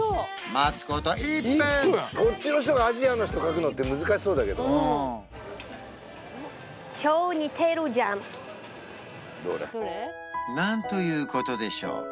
こっちの人がアジアの人描くのって難しそうだけどなんということでしょう